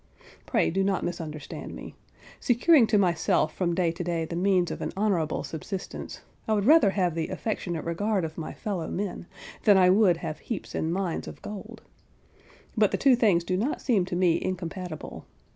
Pray do not misunderstand me. Securing to myself from day to day the means of an honourable subsistence, I would rather have the affectionate regard of my fellow men, than I would have heaps and mines of gold. But the two things do not seem to me incompatible.